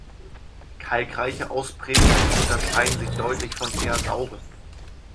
Kalkreiche Ausprägungen unterscheiden sich deutlich von eher sauren.